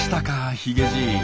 ヒゲじい！